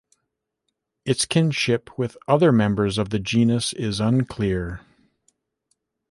Its kinship with other members of the genus is unclear.